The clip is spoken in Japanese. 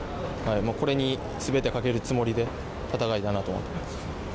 これにすべてかけるつもりで戦いたいなと思っています。